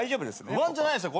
不安じゃないですよ。